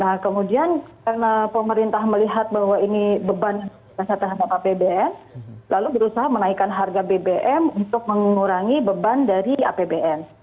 nah kemudian karena pemerintah melihat bahwa ini beban rasa terhadap apbn lalu berusaha menaikkan harga bbm untuk mengurangi beban dari apbn